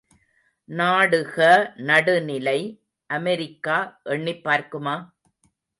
நாடுக நடுநிலை அமெரிக்கா எண்ணிப்பார்க்குமா?